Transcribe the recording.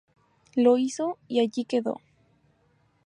Lo hizo y allí quedó.